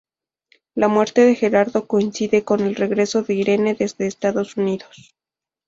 La muerte de Gerardo coincide con el regreso de Irene desde Estados Unidos.